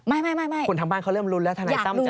ไม่คนทางบ้านเขาเริ่มรุนแล้วถ้าไหนตั้มจากไหนอ่ะ